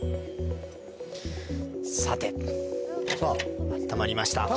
さて、あったまりました。